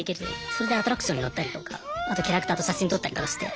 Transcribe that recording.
それでアトラクションに乗ったりとかあとキャラクターと写真撮ったりとかして。